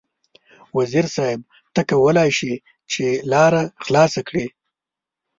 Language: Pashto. وزیر صیب ته کولای شې چې لاره خلاصه کړې.